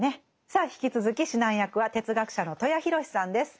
さあ引き続き指南役は哲学者の戸谷洋志さんです。